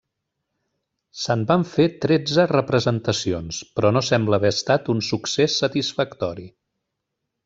Se'n van fer tretze representacions, però no sembla haver estat un succés satisfactori.